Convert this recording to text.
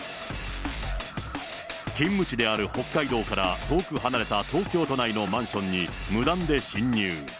勤務地である北海道から遠く離れた東京都内のマンションに、無断で侵入。